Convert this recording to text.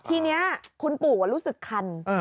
ทีเนี่ยคุณปู่ก็รู้สึกคัน